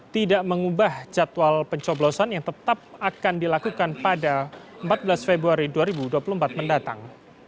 tidak mengubah jadwal pencoblosan yang tetap akan dilakukan pada empat belas februari dua ribu dua puluh empat mendatang